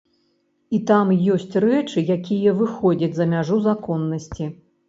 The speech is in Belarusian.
І там ёсць рэчы, якія выходзяць за мяжу законнасці.